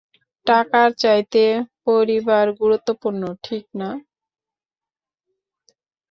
টাকার চাইতে পরিবার গুরুত্বপূর্ণ, ঠিক না?